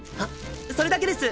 それだけです。